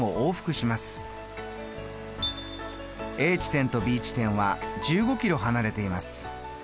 Ａ地点とＢ地点は１５キロ離れています。